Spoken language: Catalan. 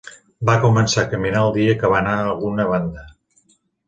Va començar a caminar el dia que va anar a alguna banda